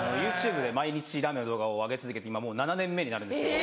ＹｏｕＴｕｂｅで毎日ラーメンの動画を上げ続けて今もう７年目になるんですけど。